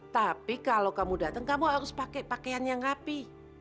tapi kalau kamu datang kamu harus pakai pakaian yang rapi